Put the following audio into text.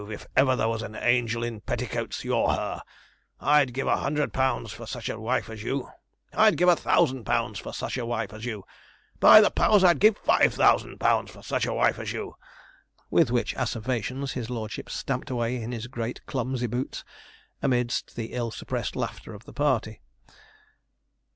if ever there was an angel in petticoats, you're her; I'd give a hundred pounds for such a wife as you! I'd give a thousand pounds for such a wife as you! By the powers! I'd give five thousand pounds for such a wife as you!' With which asseverations his lordship stamped away in his great clumsy boots, amidst the ill suppressed laughter of the party.